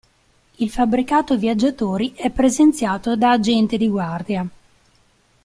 Il fabbricato viaggiatori è presenziato da agente di guardia.